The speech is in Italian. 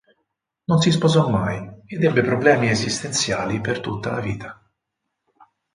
Non si sposò mai ed ebbe problemi esistenziali per tutta la vita.